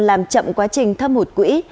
làm chậm quá trình thâm hụt quỹ